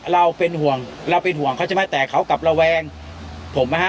เราเป็นห่วงเราเป็นห่วงเขาใช่ไหมแต่เขากลับระแวงผมไหมฮะ